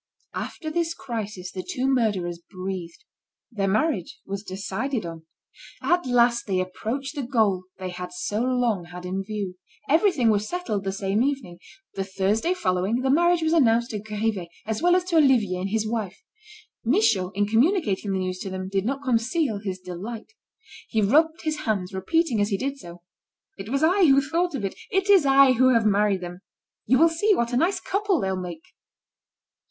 After this crisis, the two murderers breathed. Their marriage was decided on. At last they approached the goal they had so long had in view. Everything was settled the same evening. The Thursday following, the marriage was announced to Grivet, as well as to Olivier and his wife. Michaud, in communicating the news to them, did not conceal his delight. He rubbed his hands, repeating as he did so: "It was I who thought of it. It is I who have married them. You will see what a nice couple they'll make!"